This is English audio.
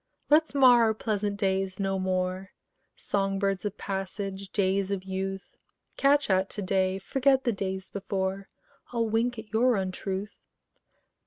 Let's mar our pleasant days no more, Song birds of passage, days of youth: Catch at to day, forget the days before: I'll wink at your untruth.